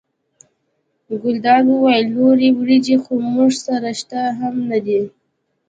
ګلداد وویل نورې وریجې خو موږ سره شته هم نه دي.